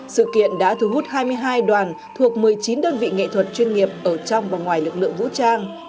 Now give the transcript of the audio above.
sự kiện đã thu hút hai mươi hai đoàn thuộc một mươi chín đơn vị nghệ thuật chuyên nghiệp ở trong và ngoài lực lượng vũ trang